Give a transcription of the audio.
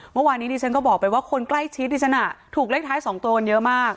เมื่อวานนี้ดิฉันก็บอกไปว่าคนใกล้ชิดดิฉันถูกเลขท้าย๒ตัวกันเยอะมาก